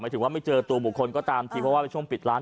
ไม่ถือว่าไม่เจอตัวบุคคลก็ตามจริงเพราะว่าช่วงปิดร้าน